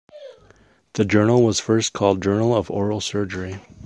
The journal was first called J"ournal of Oral Surgery".